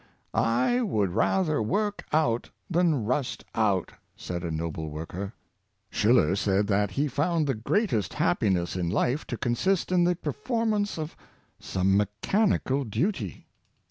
" I would rather work out than rust out," said a noble worker. Schiller said that he found the greatest happiness in life to consist in the performance of some mechanical duty.